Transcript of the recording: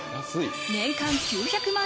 年間９００万